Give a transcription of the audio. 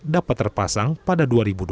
dapat terpasang pada dua ribu dua puluh